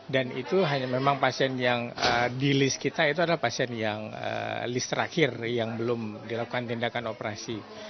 dan itu hanya memang pasien yang di list kita itu adalah pasien yang list terakhir yang belum dilakukan tindakan operasi